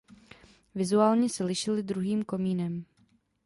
Vizuálně se lišily druhým komínem.